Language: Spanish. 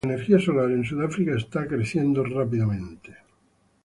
La energía solar en Sudáfrica está creciendo rápidamente.